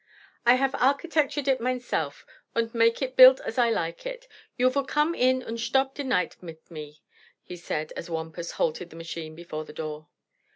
"I haf architectured it mineself, unt make it built as I like it. You vill come in unt shtop der night mit me," he said, as Wampus halted the machine before the door.